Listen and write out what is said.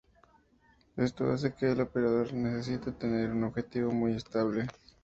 Esto hace que el operador necesite tener un objetivo muy estable.